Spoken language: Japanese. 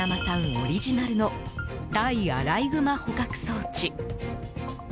オリジナルの対アライグマ捕獲装置。